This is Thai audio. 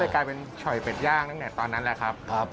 กลายเป็นฉ่อยเป็ดย่างตั้งแต่ตอนนั้นแหละครับ